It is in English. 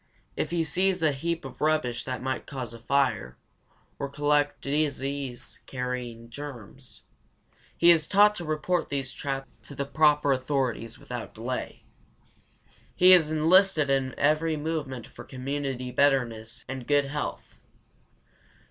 If he sees a heap of rubbish that might cause a fire or collect disease carrying germs, he is taught to report these traps to the proper authorities without delay. He is enlisted in every movement for community betterment and good health.